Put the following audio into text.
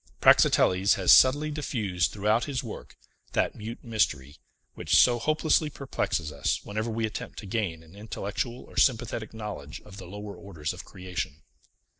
Praxiteles has subtly diffused throughout his work that mute mystery, which so hopelessly perplexes us whenever we attempt to gain an intellectual or sympathetic knowledge of the lower orders of creation.